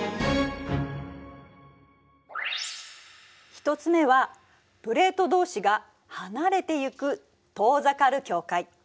１つ目はプレートどうしが離れていく「遠ざかる境界」。